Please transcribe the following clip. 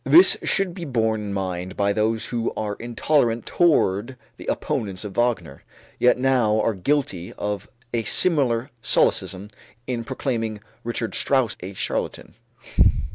This should be borne in mind by those who were intolerant toward the opponents of Wagner, yet now are guilty of a similar solecism in proclaiming Richard Strauss a charlatan.